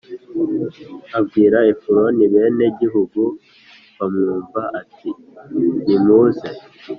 Abwira Efuroni bene igihugu bamwumva ati nimuze